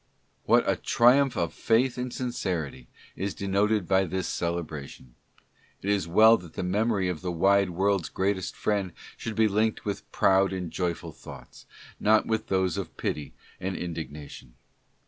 . What a triumph of faith and sincerity is denoted by this celebration ! It is well that the memory of the wide world's greatest friend should be linked with proud and joyful thoughts, not with those of pity and indignation.